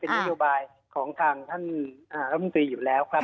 เป็นยบายของท่านความขึ้นต่ออยู่แล้วครับ